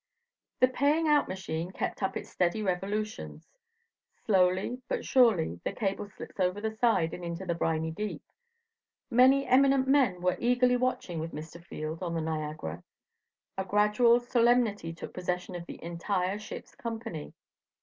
The paying out machine kept up its steady revolutions. Slowly, but surely, the cable slips over the side and into the briny deep. Many eminent men were eagerly watching with Mr. Field on the Niagara; a gradual solemnity took possession of the entire ship's company.